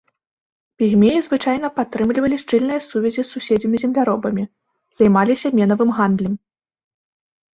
Пігмеі звычайна падтрымлівалі шчыльныя сувязі з суседзямі-земляробамі, займаліся менавым гандлем.